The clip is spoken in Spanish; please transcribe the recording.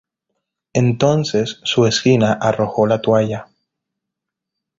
Entonces su esquina arrojó la toalla.